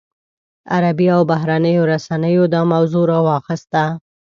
عربي او بهرنیو رسنیو دا موضوع راواخیسته.